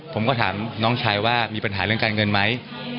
ผมก็ถามน้องชายว่ามีปัญหาเรื่องการเงินไหม